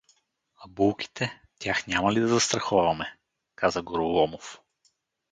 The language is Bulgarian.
— А булките, тях няма ли да застраховаме? — каза Гороломов.